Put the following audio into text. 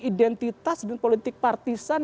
identitas dan politik partisan